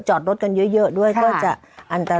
จอดรถกันเยอะด้วยก็จะอันตราย